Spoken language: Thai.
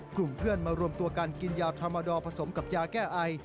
กลุ่มเพื่อนมารวมตัวกันกินยาธรรมดอลผสมกับยาแก้ไอ